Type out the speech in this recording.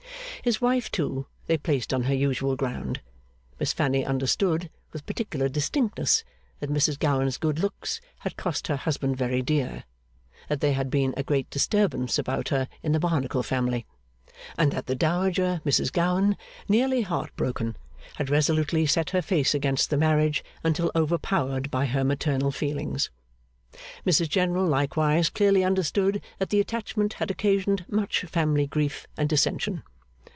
His wife, too, they placed on her usual ground. Miss Fanny understood, with particular distinctness, that Mrs Gowan's good looks had cost her husband very dear; that there had been a great disturbance about her in the Barnacle family; and that the Dowager Mrs Gowan, nearly heart broken, had resolutely set her face against the marriage until overpowered by her maternal feelings. Mrs General likewise clearly understood that the attachment had occasioned much family grief and dissension.